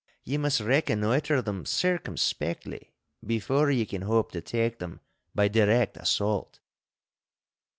Ye must reconnoitre them circumspectly before ye can hope to take them by direct assault.